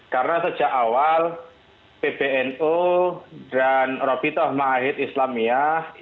karena sejak awal pbnu dan rabit ah mahid islamiyah